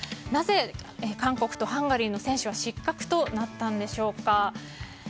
なぜ韓国とハンガリーの選手は失格となったんでしょうか。